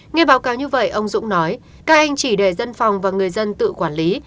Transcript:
nghe báo cáo như vậy ông dũng nói các anh chỉ để dân phòng và người dân tự quản lý